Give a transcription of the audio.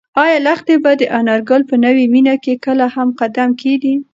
ایا لښتې به د انارګل په نوې مېنه کې کله هم قدم کېږدي؟